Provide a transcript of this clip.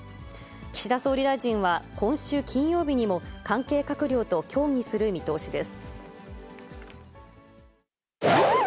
岸田総理大臣は、今週金曜日にも、関係閣僚と協議する見通しです。